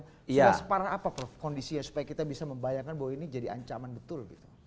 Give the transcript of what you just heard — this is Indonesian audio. tidak separah apa prof kondisinya supaya kita bisa membayangkan bahwa ini jadi ancaman betul